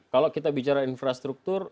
kalau kita bicara infrastruktur